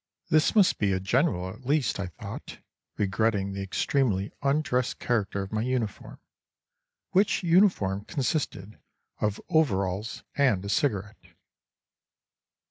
This must be a general at least, I thought, regretting the extremely undress character of my uniform, which uniform consisted of overalls and a cigarette.